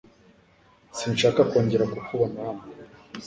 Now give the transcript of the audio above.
Sinshaka kongera kukubona hano.